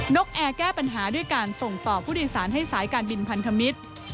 กแอร์แก้ปัญหาด้วยการส่งต่อผู้โดยสารให้สายการบินพันธมิตร